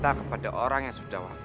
mereka diambil slot untuk berkut